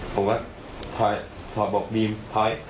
ผมก็ถอดบอกบีมถอย